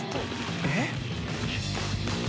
えっ？